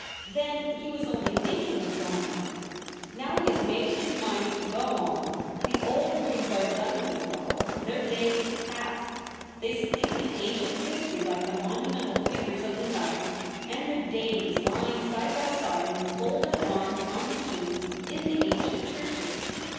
Then he was only thinking of going on. Now he has made up his mind to go on. The old Whigs are done with, Rolfe ; their day is past ; they sleep in ancient history like the monumental figures of the knights and their dames lying side by side with folded arms on the tombs in the ancient churches.